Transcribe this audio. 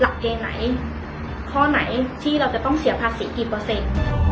หลักเกณฑ์ไหนข้อไหนที่เราจะต้องเสียภาษีกี่เปอร์เซ็นต์